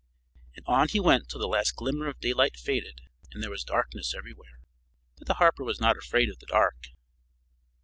And on he went till the last glimmer of daylight faded, and there was darkness everywhere. But the harper was not afraid of the dark.